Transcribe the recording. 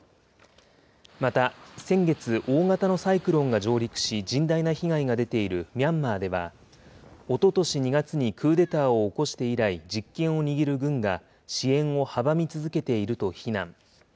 また、先月、大型のサイクロンが上陸し、甚大な被害が出ているミャンマーでは、おととし２月にクーデターを起こして以来実権を握る軍が、支援を阻み続けていると非難。